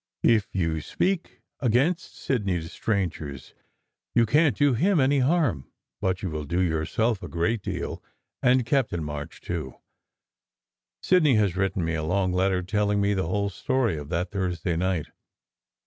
If you speak against Sidney to strangers, you can t do him any harm, but you will do yourself a great deal, and Captain March, too. Sidney has written me a long letter telling me the whole history of that Thursday night.